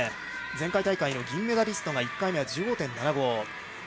前回大会の銀メダリストが１回目は１５．７５。